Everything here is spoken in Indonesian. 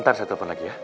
ntar saya telepon lagi ya